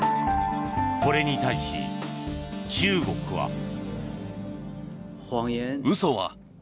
これに対し、中国は。